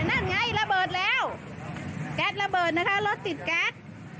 นั่นไงระเบิดแล้วแก๊สระเบิดนะคะรถติดแก๊ส